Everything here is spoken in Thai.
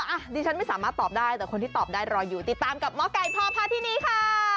อ่ะดิฉันไม่สามารถตอบได้แต่คนที่ตอบได้รออยู่ติดตามกับหมอไก่พ่อพาที่นี่ค่ะ